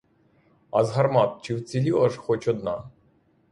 А з гармат чи вціліла ж хоч одна?